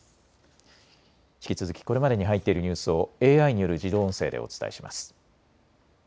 引き続きこれまでに入っているニュースをＡＩによる自動音声でお伝えします。